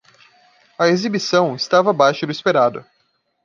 A exibição estava abaixo do esperado.